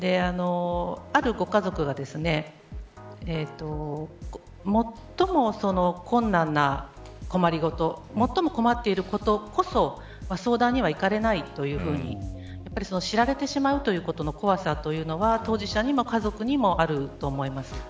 ある家族が最も困難な困り事最も困っていることこそ相談には行かれないというふうに知られてしまうことの怖さというのは当事者にも家族にもあると思います。